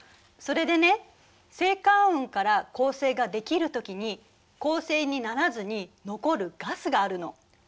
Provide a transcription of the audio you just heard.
それでね星間雲から恒星ができるときに恒星にならずに残るガスがあるの。